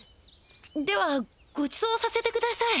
ではごちそうさせてください。